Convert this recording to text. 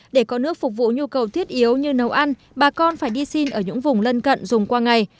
để có nước phục vụ nhu cầu thiết yếu như nấu ăn bà con phải đi xin ở những vùng lân cận dùng qua ngày